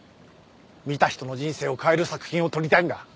見た人の人生を変える作品を撮りたいんだ。